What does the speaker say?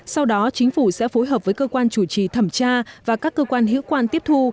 sau đó chính phủ sẽ phối hợp với cơ quan chủ trì thẩm tra và các cơ quan hữu quan tiếp thu